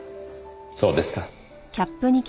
そうですか。